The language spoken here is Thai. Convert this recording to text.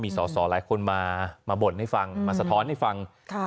สอสอหลายคนมาบ่นให้ฟังมาสะท้อนให้ฟัง